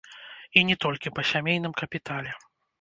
І не толькі па сямейным капітале.